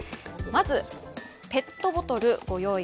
まず、ペットボトル御用意